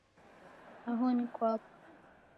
Aha ni kwapo